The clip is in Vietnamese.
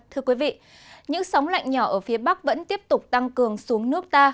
thưa quý vị những sóng lạnh nhỏ ở phía bắc vẫn tiếp tục tăng cường xuống nước ta